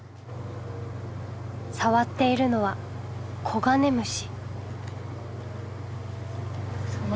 触っているのはコガネムシ。